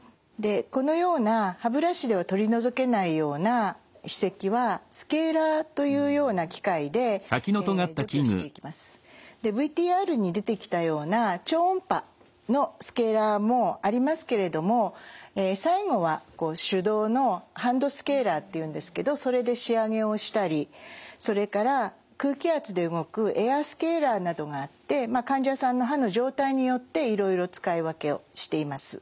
このような歯ブラシでは取り除けないような歯石はＶＴＲに出てきたような超音波のスケーラーもありますけれども最後は手動のハンドスケーラーっていうんですけどそれで仕上げをしたりそれから空気圧で動くエアスケーラーなどがあって患者さんの歯の状態によっていろいろ使い分けをしています。